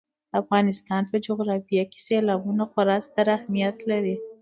د افغانستان په جغرافیه کې سیلابونه خورا ستر اهمیت لري.